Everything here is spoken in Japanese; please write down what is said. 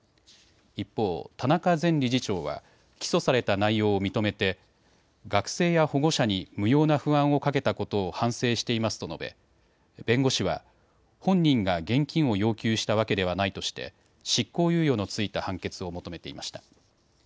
一方、田中前理事長は起訴された内容を認めて学生や保護者に無用な不安をかけたことを反省していますと述べ弁護士は本人が現金を要求したわけではないとして執行猶予の付いた判決を求めていました。